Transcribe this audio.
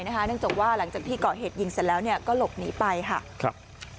เนื่องจากว่าหลังจากที่ก่อเหตุยิงเสร็จแล้วก็หลบหนีไปค่ะ